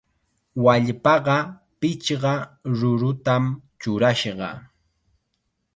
Wallpaqa pichqa rurutam churashqa.